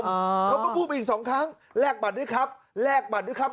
เขาก็พูดไปอีกสองครั้งแลกบัตรด้วยครับแลกบัตรด้วยครับ